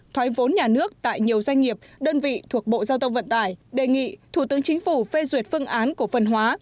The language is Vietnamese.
thoái vốn nhà nước tại nhiều doanh nghiệp đơn vị thuộc bộ giao thông vận tải đề nghị thủ tướng chính phủ phê duyệt phương án cổ phần hóa